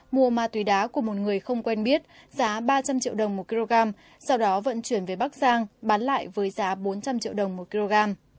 mua ma túy đá của một người không quen biết giá ba trăm linh triệu đồng một kg sau đó vận chuyển về bắc giang bán lại với giá bốn trăm linh triệu đồng một kg